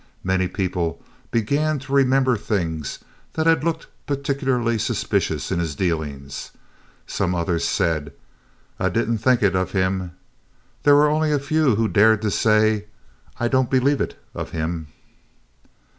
Many people began to remember things that had looked particularly suspicious in his dealings. Some others said, "I did n't think it of him." There were only a few who dared to say, "I don't believe it of him."